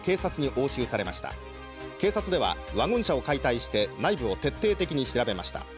警察ではワゴン車を解体して内部を徹底的に調べました。